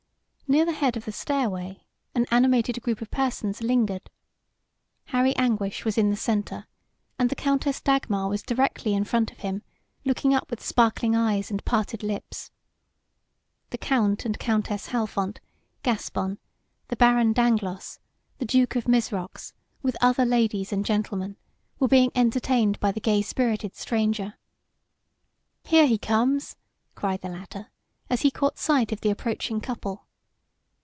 Near the head of the stairway an animated group of persons lingered. Harry Anguish was in the center and the Countess Dagmar was directly in front of him, looking up with sparkling eyes and parted lips. The Count and Countess Halfont, Gaspon, the Baron Dangloss, the Duke of Mizrox, with other ladies and gentlemen, were being entertained by the gay spirited stranger. "Here he comes," cried the latter, as he caught sight of the approaching couple.